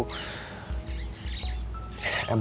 ternyata masih ada di kantong aku